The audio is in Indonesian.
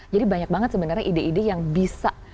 jadi banyak banget sebenarnya ide ide yang bisa